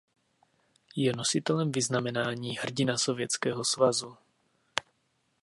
Je nositelem vyznamenání Hrdina Sovětského svazu.